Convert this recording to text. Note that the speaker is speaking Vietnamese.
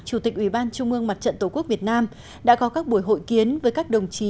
chủ tịch ủy ban trung ương mặt trận tổ quốc việt nam đã có các buổi hội kiến với các đồng chí